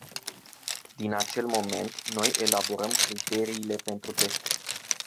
Din acel moment, noi elaborăm criteriile pentru teste.